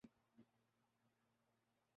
تھوڑے سے لوگ ہوں اور خرچا جائز ہو۔